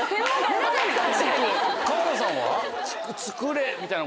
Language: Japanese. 川田さんは？